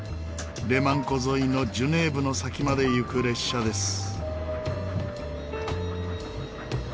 レマン湖沿いのジュネーヴの先まで行く列車です。